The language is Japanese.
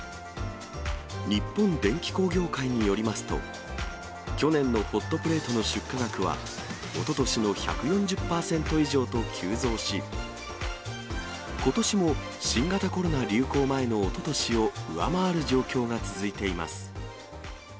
日本電機工業会によりますと、去年のホットプレートの出荷額は、おととしの１４０％以上と急増し、ことしも新型コロナ流行前のおととしを上回る状況が続いています。